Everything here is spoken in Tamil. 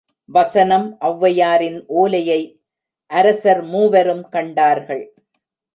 வசனம் ஒளவையாரின் ஒலையை அரசர் மூவரும் கண்டார்கள்.